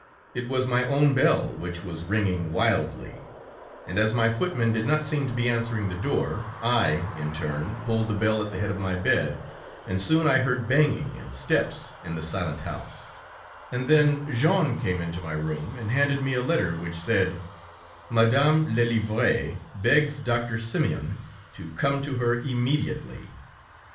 It was my own bell, which was ringing wildly, and as my footman did not seem to be answering the door, I, in turn, pulled the bell at the head of my bed, and soon I heard banging, and steps in the silent house, and then Jean came into my room, and handed me a letter which said: 'Madame Lelièvre begs Doctor Simeon to come to her immediately.'